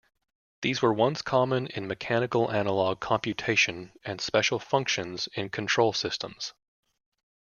These were once common is mechanical analog computation and special functions in control systems.